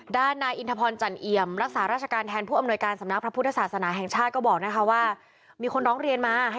ด้านนายอินทพรจันเอี่ยมรักษาราชการแทนผู้อำนวยการสำนักพระพุทธศาสนาแห่งชาติก็บอกนะคะว่ามีคนร้องเรียนมาให้